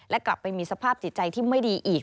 และกลับไปมีสภาพจิตใจที่ไม่ดีอีก